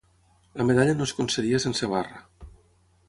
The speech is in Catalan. La medalla no es concedia sense barra.